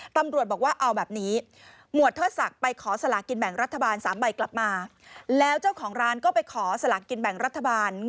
ตำรวจบอกว่าเอาแบบนี้หมวดเทอดศักดิ์ไปขอสลากกินแบ่งรัฐบาล